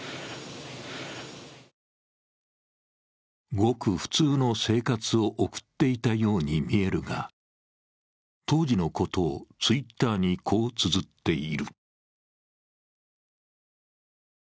ごく普通の生活を送っていたように見えるが、当時のことをＴｗｉｔｔｅｒに、こうつづっている。